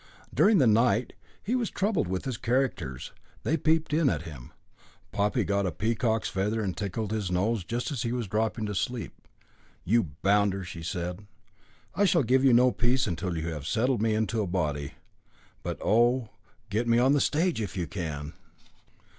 During the night, he was troubled with his characters; they peeped in at him. Poppy got a peacock's feather and tickled his nose just as he was dropping asleep. "You bounder!" she said; "I shall give you no peace till you have settled me into a body but oh! get me on to the stage if you can."